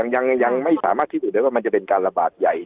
ยังไม่สามารถคิดอื่นได้ว่ามันจะเป็นการระบาดใหญ่